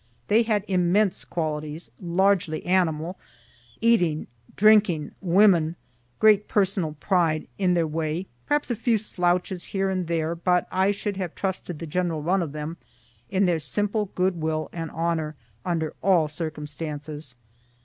They had immense qualities, largely animal eating, drinking; women great personal pride, in their way perhaps a few slouches here and there, but I should have trusted the general run of them, in their simple good will and honor, under all circumstances.